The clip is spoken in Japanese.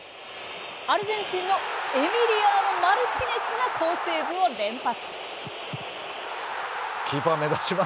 アルゼンチンのエミリアーノ・マルティネスが好セーブを連発！